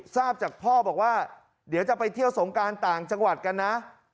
ทราบจากพ่อบอกว่าเดี๋ยวจะไปเที่ยวสงการต่างจังหวัดกันนะ